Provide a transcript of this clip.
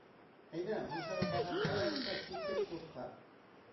Әйҙә, мунсаға барһаҡ барайыҡ та, киттек клубҡа!